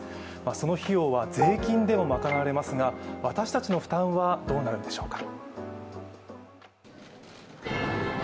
その費用は税金でも賄われますが私たちの負担はどうなるんでしょうか。